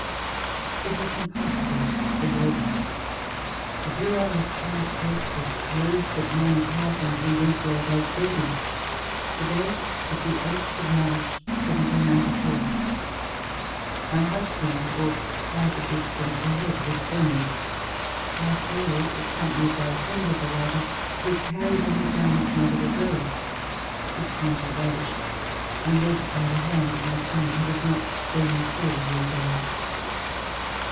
It was impossible to draw back. The bureau of passports was closed at nine o'clock and we went there at eight thirty. The date was the eighth of March, 1794. My husband walked quite a distance ahead with Bonie. I followed, accompanied by a friend of the latter, who carried in his arms my little girl, six months of age, and led by the hand my son who was not then four years old.